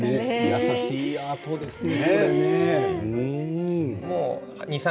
優しいアートでしたね。